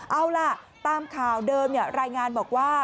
เอาล่ะตามข่าวเดิมรายงานบอกว่า